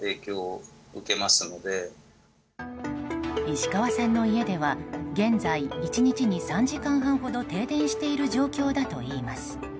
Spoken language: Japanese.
石川さんの家では現在、１日に３時間半ほど停電している状況だといいます。